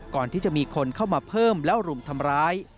ก่อนที่จะมีคนเข้ามาเพิ่มแล้วรุมทำร้าย